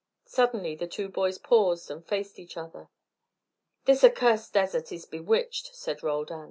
Suddenly the two boys paused and faced each other. "This accursed desert is bewitched," said Roldan.